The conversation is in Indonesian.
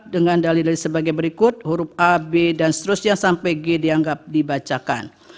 dengan dalil dalil sebagai berikut huruf a b dan seterusnya sampai g dianggap dibacakan